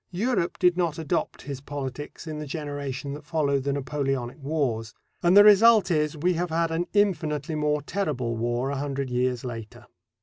Europe did not adopt his politics in the generation that followed the Napoleonic Wars, and the result is we have had an infinitely more terrible war a hundred years later.